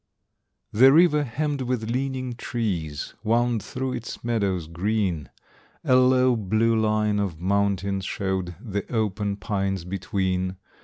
The river hemmed with leaning trees Wound through its meadows green; A low, blue line of mountains showed The open pines between.